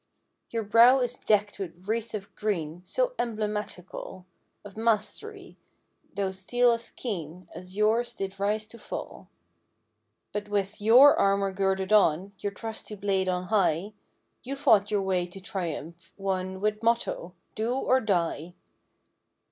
Your brow is decked with wreath of green So emblematical Of mastery; though steel as keen As yours did rise to fall. But with your armor girded on. Your trusty blade on high. You fought your way to triumph. Won With motto—"Do or die!"